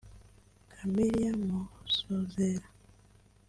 Camelia Masozera